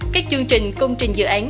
các chương trình công trình dự án